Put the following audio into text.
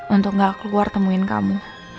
untuk gak keluar temuin kamu